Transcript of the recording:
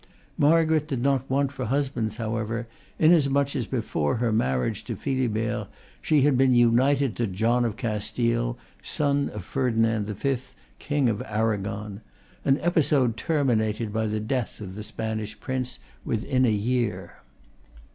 Margaret did not want for hus bands, however, inasmuch as before her marriage to Philibert she had been united to John of Castile, son of Ferdinand V., King of Aragon, an episode ter minated, by the death of the Spanish prince, within a year.